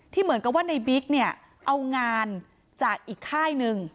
เหมือนกับว่าในบิ๊กเนี่ยเอางานจากอีกค่ายหนึ่ง